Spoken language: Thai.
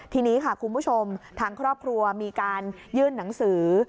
ทีนี้ค่ะคุณผู้ชมทางครอบครัวมีการยื่นหนังสือ